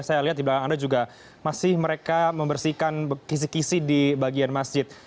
saya lihat di belakang anda juga masih mereka membersihkan kisi kisi di bagian masjid